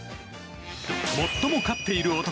最も勝っている男